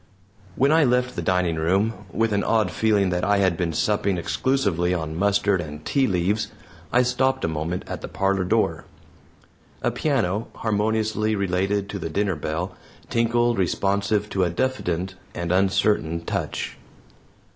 When I left the dining room, with an odd feeling that I had been supping exclusively on mustard and tea leaves, I stopped a moment at the parlor door. A piano, harmoniously related to the dinner bell, tinkled responsive to a diffident and uncertain touch.